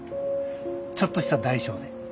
ちょっとした代償で。